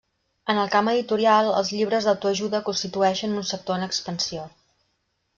En el camp editorial els llibres d'autoajuda constitueixen un sector en expansió.